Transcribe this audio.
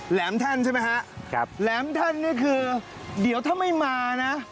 แหลมท่านใช่ไหมฮะครับแหลมท่านนี่คือเดี๋ยวถ้าไม่มานะ